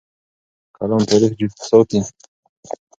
قلم تاریخ ساتي.